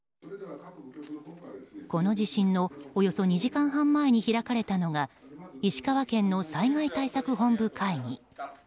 この地震の、およそ２時間半前に開かれたのが石川県の災害対策本部会議。